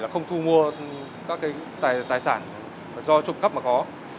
không thu mua các cái tài sản do trộm cắp mà có